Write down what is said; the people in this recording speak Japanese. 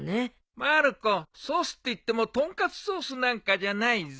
まる子ソースっていってもトンカツソースなんかじゃないぞ。